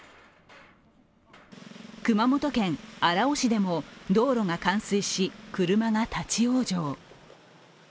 熊本県荒尾市でも道路が冠水し車が立往生。